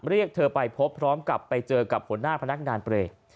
เรียกเธอไปพบพร้อมกับไปเจอกับหัวหน้าพนักงานเบรก